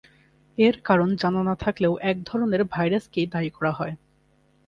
এর কারণ জানা না থাকলেও এক ধরণের ভাইরাসকেই দায়ী করা হয়।